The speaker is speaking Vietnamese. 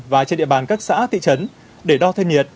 và trên địa bàn các xã thị trấn để đo thân nhiệt